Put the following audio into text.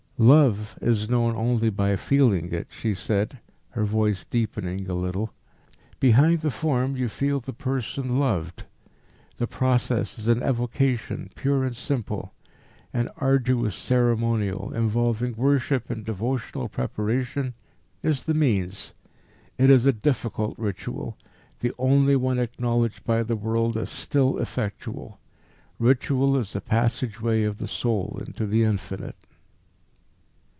"Love is known only by feeling it," she said, her voice deepening a little. "Behind the form you feel the person loved. The process is an evocation, pure and simple. An arduous ceremonial, involving worship and devotional preparation, is the means. It is a difficult ritual the only one acknowledged by the world as still effectual. Ritual is the passage way of the soul into the Infinite."